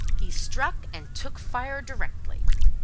he struck and took fire directly.